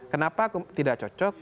kenapa tidak cocok